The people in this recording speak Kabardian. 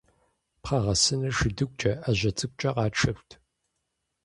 Пхъэгъэсыныр шыдыгукӀэ, Ӏэжьэ цӀыкӀукӀэ къатшэрт.